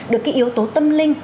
được cái yếu tố tâm linh